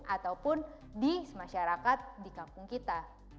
ataupun di masyarakat di kampung kita